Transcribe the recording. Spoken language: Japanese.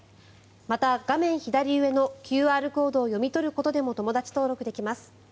また画面左上のＱＲコードを読み取ることでも友だち登録できます。